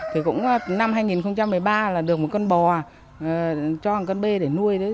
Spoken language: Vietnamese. thì cũng năm hai nghìn một mươi ba là được một con bò cho con bê để nuôi